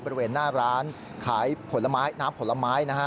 บริเวณหน้าร้านขายผลไม้น้ำผลไม้นะฮะ